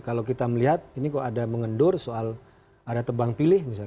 kalau kita melihat ini kok ada mengendur soal ada tebang pilih misalnya